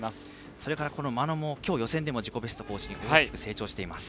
それから、眞野も今日、予選で自己ベスト更新で大きく成長しています。